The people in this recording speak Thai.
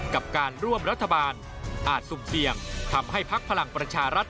กับการร่วมรัฐบาลอาจสุ่มเสี่ยงทำให้พักพลังประชารัฐ